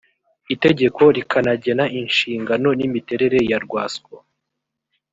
itegeko rikanagena inshingano n’imiterere ya rwasco